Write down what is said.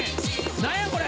何やこれ？